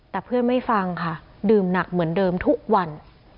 แต่เพื่อนไม่ฟังค่ะดื่มหนักเหมือนเดิมทุกวัน